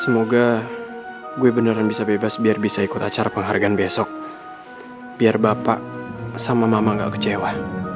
semoga gue beneran bisa bebas biar bisa ikut acara penghargaan besok biar bapak sama mama gak kecewa